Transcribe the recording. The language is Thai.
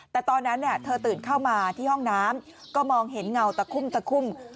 แต่ตอนนั้นเธอตื่นเข้ามาที่ห้องน้ำก็มองเห็นเงาตะคุ่มตะคุ่ม